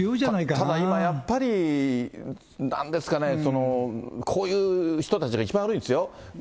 ただ、今、やっぱり、なんですかね、こういう人たちが一番悪いんですよ。